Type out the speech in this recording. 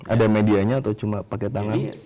ada medianya atau cuma pakai tangan